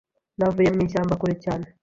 Navuye mu ishyamba kure cyane